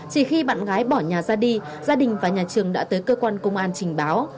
chỉ khi bạn gái bỏ nhà ra đi gia đình và nhà trường đã tới cơ quan công an trình báo